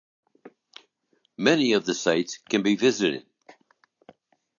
Many of the sites can be visited.